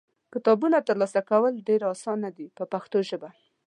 کتابونه ترلاسه کول یې اسانه دي په پښتو ژبه.